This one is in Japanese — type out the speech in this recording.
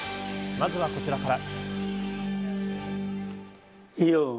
まずはこちらから。